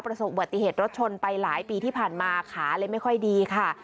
ประสบอุบัติเหตุรถชนไปหลายปีที่ผ่านมาขาเลยไม่ค่อยดีค่ะ